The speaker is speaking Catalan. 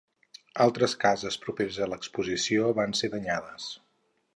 Altres cases properes a l'explosió van ser molt danyades.